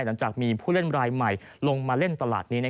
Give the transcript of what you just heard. หลังจากมีผู้เล่นรายใหม่ลงมาเล่นตลาดนี้